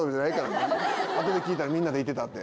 後で聞いたらみんなで行ってたって？